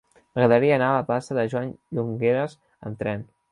M'agradaria anar a la plaça de Joan Llongueras amb tren.